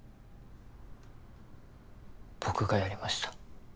僕がやりました